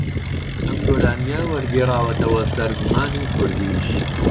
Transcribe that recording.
ئەم گۆرانییە وەرگێڕاوەتەوە سەر زمانی کوردیش